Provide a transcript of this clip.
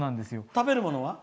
食べるものは？